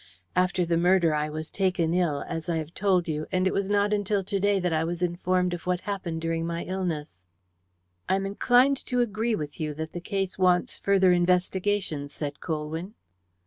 After the murder I was taken ill, as I have told you, and it was not until to day that I was informed of what happened during my illness." "I am inclined to agree with you that the case wants further investigation," said Colwyn.